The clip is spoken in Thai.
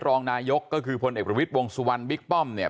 รองนายกก็คือพลเอกประวิทย์วงสุวรรณบิ๊กป้อมเนี่ย